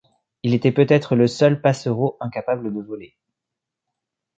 Il était peut-être le seul passereau incapable de voler.